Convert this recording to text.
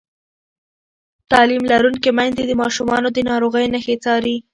تعلیم لرونکې میندې د ماشومانو د ناروغۍ نښې څاري.